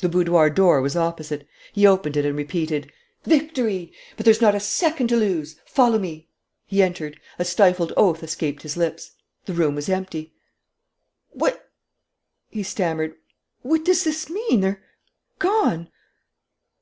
The boudoir door was opposite. He opened it and repeated: "Victory! But there's not a second to lose. Follow me." He entered. A stifled oath escaped his lips. The room was empty. "What!" he stammered. "What does this mean? They're gone....